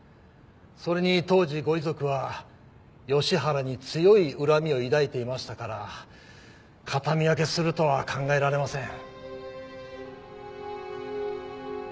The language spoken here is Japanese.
それに当時ご遺族は吉原に強い恨みを抱いていましたから形見分けするとは考えられません。